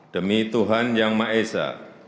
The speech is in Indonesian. demi tuhan yang maha esa